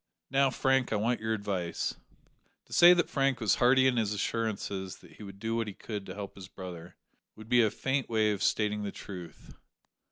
Now, Frank, I want your advice." To say that Frank was hearty in his assurances that he would do what he could to help his brother, would be a faint way of stating the truth.